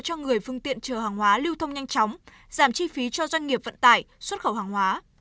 cho người phương tiện chở hàng hóa lưu thông nhanh chóng giảm chi phí cho doanh nghiệp vận tải xuất khẩu hàng hóa